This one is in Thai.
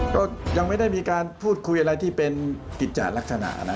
ก็ยังไม่ได้มีการพูดคุยอะไรที่เป็นกิจจารักษณะนะ